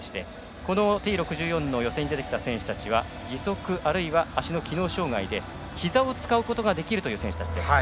このＴ６４の予選に出てくる選手たちは義足あるいは機能障がいでひざを使うことができる選手たち。